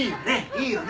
いいよね？